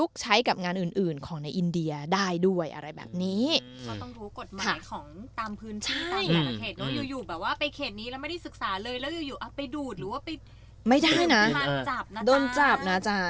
แล้วยังอยู่อยู่อ่ะไปดูดหรือว่าไปไม่ได้น่ะโดนจับน่ะจ้ะ